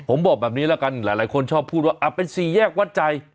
ผมบอกแบบนี้แล้วกันหลายคนชอบพูดว่าเป็นสี่แยกวัดใจ